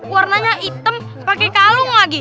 warnanya hitam pakai kalung lagi